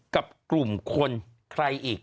กับกลุ่มคนใครอีก